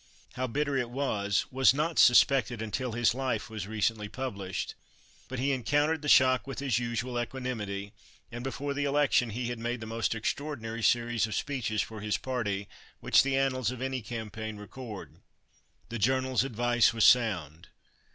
How bitter it was was not suspected until his life was recently published! But he encountered the shock with his usual equanimity, and before the election he had made the most extraordinary series of speeches for his party which the annals of any campaign record. The journal's advice was sound.